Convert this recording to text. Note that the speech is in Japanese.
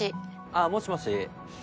あもしもし？